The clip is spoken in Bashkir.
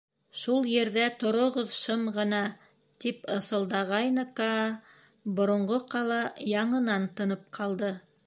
Шул ерҙә тороғоҙ, шым ғына... — тип ыҫылдағайны Каа, боронғо ҡала яңынан тынып ҡалды.